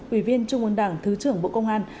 ủy viên trung ương đảng thứ trưởng bộ công an